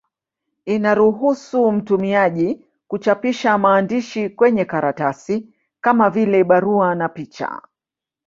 Inaruhusu mtumiaji kuchapisha maandishi kwenye karatasi, kama vile barua na picha.